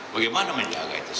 bagaimana ini menjaga merkus